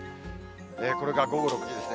これが午後６時ですね。